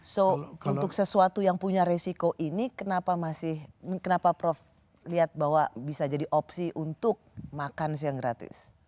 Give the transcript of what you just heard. so untuk sesuatu yang punya resiko ini kenapa masih kenapa prof lihat bahwa bisa jadi opsi untuk makan siang gratis